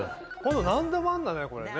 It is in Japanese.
何でもあんだねこれね。